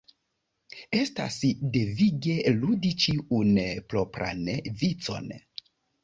Estas devige ludi ĉiun propran vicon.